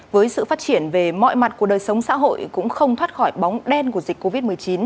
với sự phát triển về mọi mặt của đời sống xã hội cũng không thoát khỏi bóng đen của dịch covid một mươi chín